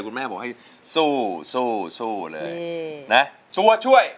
คุณแม่บอกให้สู้สู้สู้เลยน่ะช่วย